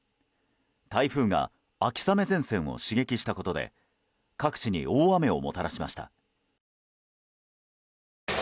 台風が秋雨前線を刺激したことで各地に大雨をもたらしました。